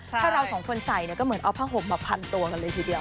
ถ้าเราสองคนใส่เนี่ยก็เหมือนเอาผ้าห่มมาพันตัวกันเลยทีเดียว